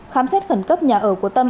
khám xét khẩn cấp nhà ở của tâm